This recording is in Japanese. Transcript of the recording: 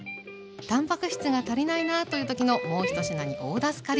たんぱく質が足りないなという時のもう一品に大助かり。